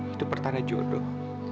itu pertanyaan jodoh